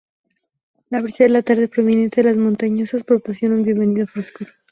La brisa de la tarde, proveniente de las montañas, proporciona un bienvenido frescor.